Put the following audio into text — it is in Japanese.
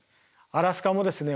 アラスカもですね